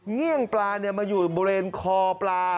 เงี่ยงปลามาอยู่บริเวณคอปลา